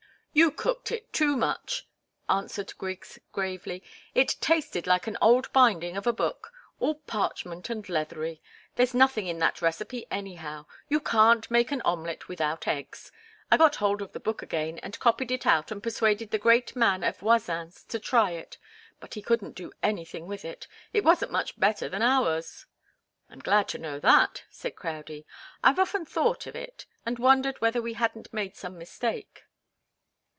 "You cooked it too much," answered Griggs, gravely. "It tasted like an old binding of a book all parchment and leathery. There's nothing in that recipe anyhow. You can't make an omelet without eggs. I got hold of the book again, and copied it out and persuaded the great man at Voisin's to try it. But he couldn't do anything with it. It wasn't much better than ours." "I'm glad to know that," said Crowdie. "I've often thought of it and wondered whether we hadn't made some mistake."